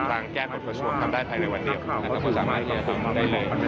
กลางแก้บบทศวนทำได้ภายในวันเดียวคุณสามารถทำได้เลย